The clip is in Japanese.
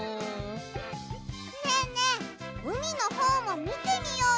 ねえねえうみのほうもみてみようよ！